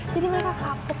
jadi mereka kapuk